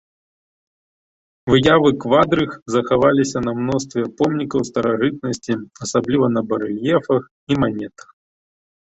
Выявы квадрыг захаваліся на мностве помнікаў старажытнасці, асабліва на барэльефах і манетах.